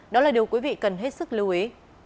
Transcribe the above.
đó là điều quý vị cần hết sức lưu ý